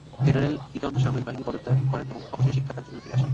General Eaton সামরিক বাহিনী ত্যাগ করেন এবং অবশেষে শিক্ষায় তার কর্মজীবনে ফিরে আসেন।